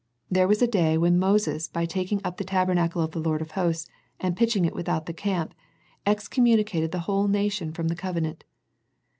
There was a day when Moses by taking up the tabernacle of the Lord of Hosts, and pitching it without the camp, excommunicated the whole nation from the covenant.